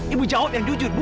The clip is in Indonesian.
ibu jawab yang jujur bu